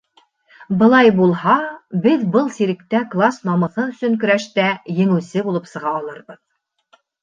Былай булһа, беҙ был сиректә класс намыҫы өсөн көрәштә еңеүсе булып сыға алырбыҙ.